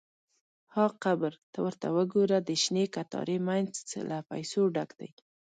– ها قبر! ته ورته وګوره، د شنې کتارې مینځ له پیسو ډک دی.